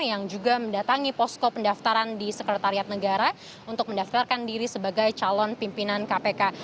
yang juga mendatangi posko pendaftaran di sekretariat negara untuk mendaftarkan diri sebagai calon pimpinan kpk